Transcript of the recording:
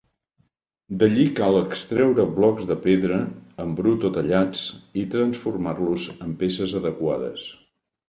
D’allí cal extreure blocs de pedra, en brut o tallats, i transformar-los en peces adequades.